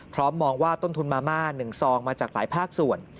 มองว่าต้นทุนมาม่า๑ซองมาจากหลายภาคส่วน